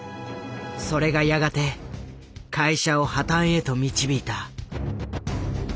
それがやがて会社を破たんへと導いた。